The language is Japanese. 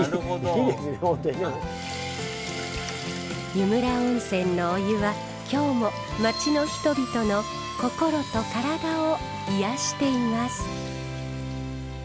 湯村温泉のお湯は今日も町の人々の心と体を癒やしています。